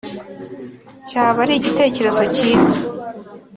cyaba ari igitekerezo cyiza .